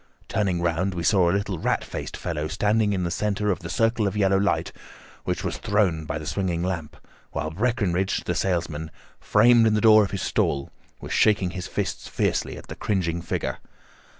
Turning round we saw a little rat faced fellow standing in the centre of the circle of yellow light which was thrown by the swinging lamp, while Breckinridge, the salesman, framed in the door of his stall, was shaking his fists fiercely at the cringing figure.